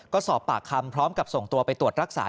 ก็สอบปากคำพร้อมกับส่งตัวไปตรวจรักษา